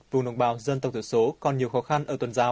vùng đồng bào dân tộc tiểu số còn nhiều hơn